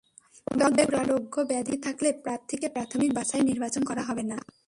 তবে কোনো দুরারোগ্য ব্যাধি থাকলে প্রার্থীকে প্রাথমিক বাছাইয়ে নির্বাচন করা হবে না।